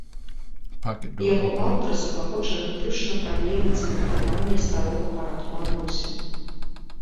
Яго аўтар заклапочаны выключна праблемай цэментавання старога парадку адносін.